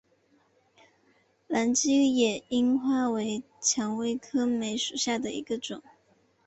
兰屿野樱花为蔷薇科梅属下的一个种。